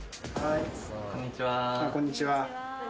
こんにちは。